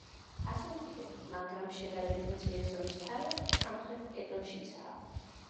ასეთივე, მაგრამ შედარებით მცირე ზომის თარო სამხრეთ კედელშიცაა.